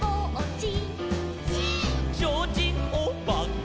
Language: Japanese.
「ちょうちんおばけ」「」